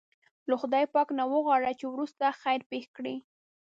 له خدای پاک نه وغواړه چې وروسته خیر پېښ کړي.